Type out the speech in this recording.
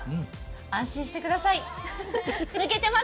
安心してください。